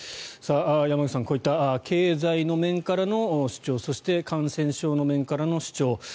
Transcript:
山口さん、こういった経済の面からの主張そして感染症の面からの主張